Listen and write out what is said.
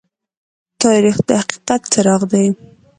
تاریخ د حقیقت څراغ دى.